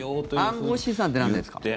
暗号資産ってなんですか？